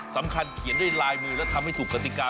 เขียนด้วยลายมือและทำให้ถูกกติกา